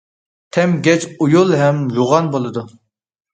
توم گەج ئۇيۇل ھەم يوغان بولىدۇ.